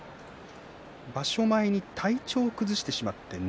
場所前に体調を崩してしまいました。